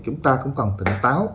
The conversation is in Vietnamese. chúng ta cũng cần tỉnh táo